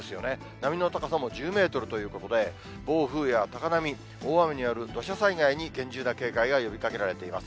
波の高さも１０メートルということで、暴風や高波、大雨による土砂災害に厳重な警戒が呼びかけられています。